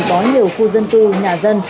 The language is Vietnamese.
có nhiều khu dân cư nhà dân